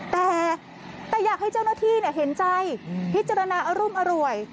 แต่อยากให้เจ้าหน้าที่เห็นใจพิจารณาอรุมอร่วย